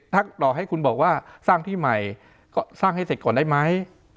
ถ้าต่อให้คุณบอกว่าสร้างที่ใหม่ก็สร้างให้เสร็จก่อนได้ไหม